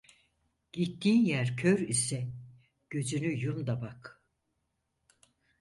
Gittiğin yer kör ise, gözünü yum da bak.